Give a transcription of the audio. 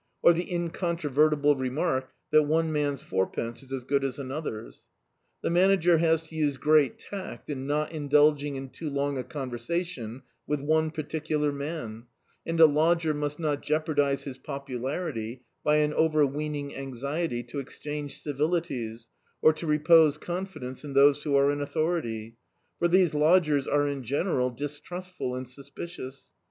or the incontrovertible remark that one man's four pence is as good as another's. The Manager has to use great tact in not indulging in too long a con versation with one particular man, and a lodger must not jeopardise his popularity by an over weening anxiety to exchange civilities, or to repose confidence in those who are in authority; for these lodgers are in general distrustful and suspicious.